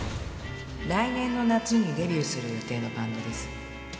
来年の夏にデビューする予定のバンドです。